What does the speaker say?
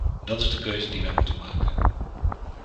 Dat is de keuze die wij moeten maken.